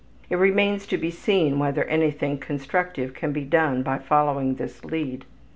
(It remains to be seen whether anything constructive can be done by following this lead.